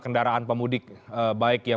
kendaraan pemudik baik yang